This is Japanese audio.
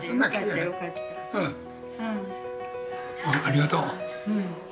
ありがとう。